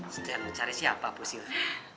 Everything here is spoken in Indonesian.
sedang mencari siapa bu silvi